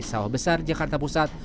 sawah besar jakarta pusat